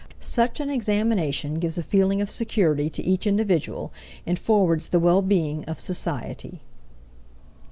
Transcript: Such an examination gives a feeling of security to each individual and forwards the well being of society.